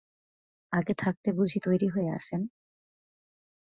আগে থাকতে বুঝি তৈরি হয়ে আসেন?